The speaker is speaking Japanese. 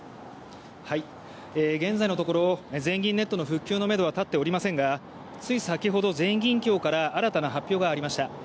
現在のところ全銀ネットの復旧のめどは立っておりませんがつい先ほど、全銀協から新たな発表がありました。